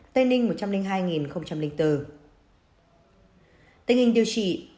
tình hình điều trị